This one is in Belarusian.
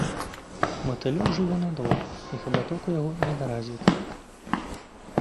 Матылёк жыве нядоўга, і хабаток ў яго недаразвіты.